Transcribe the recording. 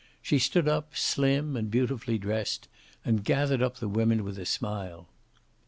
She stood up, slim and beautifully dressed, and gathered up the women with a smile.